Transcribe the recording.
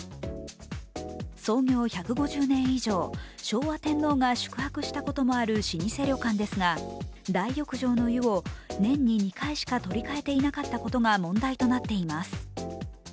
創業１５０年以上、昭和天皇が宿泊したこともある宿泊旅館ですが大浴場の湯を年に２回しか取り替えていなかったことが問題となっています。